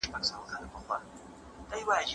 هلک غواړي چې هیڅکله له خپلې گرانې انا څخه جلا نشي.